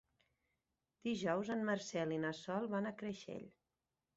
Dijous en Marcel i na Sol van a Creixell.